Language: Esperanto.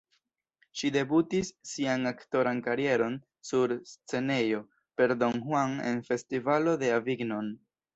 Ŝi debutis sian aktoran karieron sur scenejo, per "Don Juan" en Festivalo de Avignon.